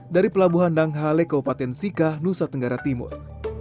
dari pelabuhan danghale keopatensika nusa tenggara timur